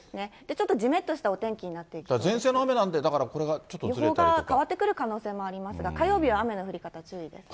ちょっとじめっとしたお天気にな前線の雨なんで、だからこれ予報が変わってくる可能性もありますが、火曜日は雨の降り方、注意です。